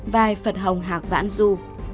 vai phật hồng hạc vãn du